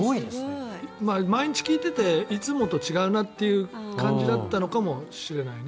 毎日聴いていていつもと違うなっていう感じだったのかもしれないね。